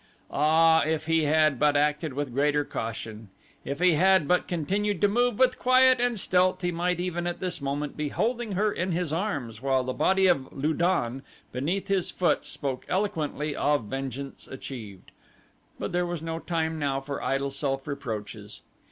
Ah, if he had but acted with greater caution! If he had but continued to move with quiet and stealth he might even at this moment be holding her in his arms while the body of Lu don, beneath his foot, spoke eloquently of vengeance achieved. But there was no time now for idle self reproaches.